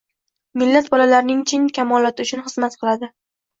Millat bolalarining chin kamoloti uchun xizmat qildi.